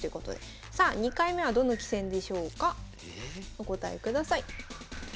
お答えください。